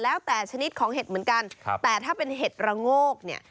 แล้วแต่ชนิดของเห็ดเหมือนกันแต่ถ้าเป็นเห็ดระโงกเนี่ย